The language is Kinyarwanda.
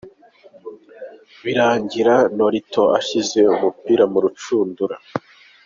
Birangira Nolito ashyize umupira mu rucundura .